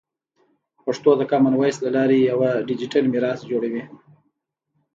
پښتو د کامن وایس له لارې یوه ډیجیټل میراث جوړوي.